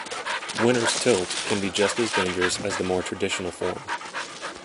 "Winner's tilt" can be just as dangerous as the more traditional form.